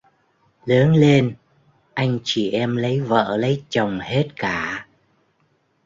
Lớn lên anh chị em lấy vợ lấy chồng hết cả